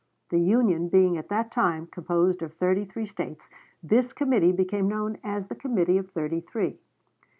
The Union being at that time composed of thirty three States, this committee became known as the Committee of Thirty three.